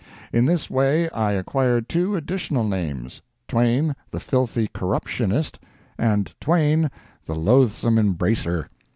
[In this way I acquired two additional names: "Twain, the Filthy Corruptionist," and "Twain, the Loathsome Embracer."